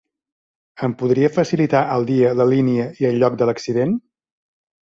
Em podria facilitar el dia, la línia i el lloc de l'accident?